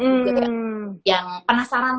juga yang penasaran